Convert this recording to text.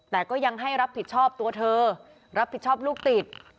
แต่ก็ยังให้รับผิดชอบตัวเธอรับผิดชอบลูกติด